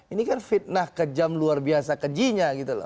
ini kan fitnah kejam luar biasa kejinya gitu loh